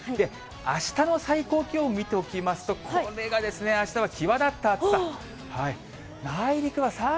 あしたの最高気温を見ておきますと、これがですね、あしたは際立った暑さ。